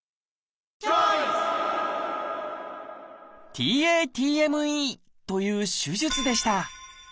「ＴａＴＭＥ」という手術でした。